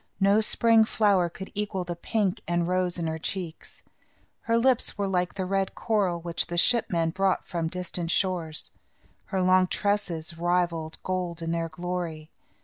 No spring flower could equal the pink and rose in her cheeks. Her lips were like the red coral, which the ship men brought from distant shores. Her long tresses rivalled gold in their glory.